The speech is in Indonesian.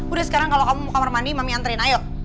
udah sekarang kalau kamu kamar mandi mami anterin ayo